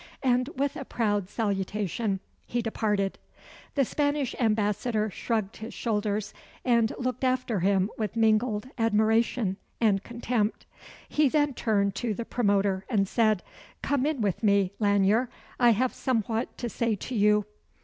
And, with a proud salutation, he departed. The Spanish ambassador shrugged his shoulders, and looked after him with mingled admiration and contempt. He then turned to the promoter, and said, "Come in with me, Lanyere. I have somewhat to say to you."